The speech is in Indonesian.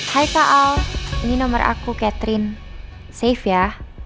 hai kak al ini nomer aku catherine safe ya